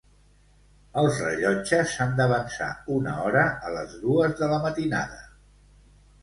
Els rellotges s'han d'avançar una hora a les dues de la matinada.